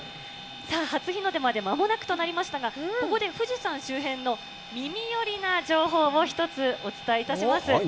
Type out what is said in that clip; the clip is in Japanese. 初日の出までまもなくとなりましたが、ここで富士山周辺の耳寄りな情報を１つお伝えいたします。